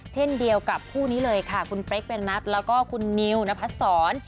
เช่นเดียวกับคู่นี้เลยค่ะคุณเป๊กเป็นนัทแล้วก็คุณนิวนพัดศร